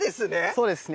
そうですね。